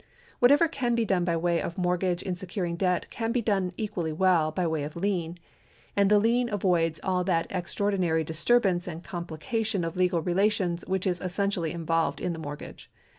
Whatever can be done by way of mortgage in securing a debt can be done equally well by way of lien, 40G THE LAW OF PROPERTY [§ ICO and the lien avoids all that extraordinary disturbance and complication of legal relations which is essentially involved in the mortgage.